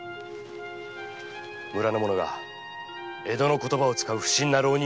村の者が江戸の言葉を使う不審な浪人者を見ています